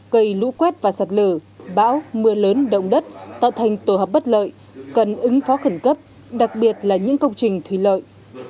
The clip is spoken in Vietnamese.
gây lũ quét và sạt lở bão mưa lớn động đất tạo thành tổ hợp bất lợi cần ứng phó khẩn cấp đặc biệt là những công trình thủy lợi